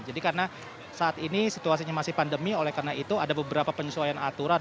jadi karena saat ini situasinya masih pandemi oleh karena itu ada beberapa penyesuaian aturan